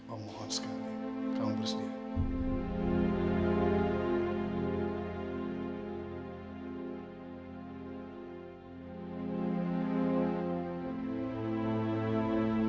om mohon sekali kamu bersedia